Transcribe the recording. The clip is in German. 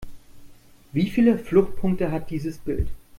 Wie viele Fluchtpunkte hat dieses Bild?